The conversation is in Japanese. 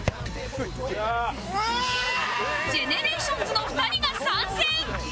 ＧＥＮＥＲＡＴＩＯＮＳ の２人が参戦！